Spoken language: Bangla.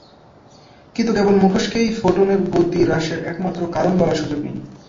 কিন্তু কেবল মুখোশকেই ফোটনের গতি হ্রাসের একমাত্র কারণ বলার সুযোগ নেই।